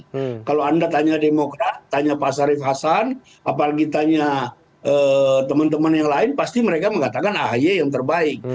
jika kita lihat di dalam koalisi perubahan ini kita bisa lihat bahwa ada komunikasi yang tidak selaras begitu tidak cukup kompromi begitu di dalam koalisi perubahan ini